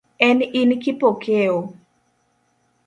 En in Kipokeo?